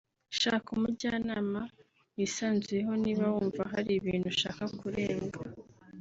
Shaka umujyanama wisanzuyeho niba wumva hari ibintu ushaka kurenga